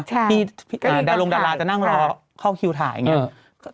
ที่ดารงดาราจะนั่งรอเข้าคิวถ่ายอย่างนี้